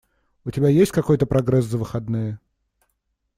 У тебя есть какой-то прогресс за выходные?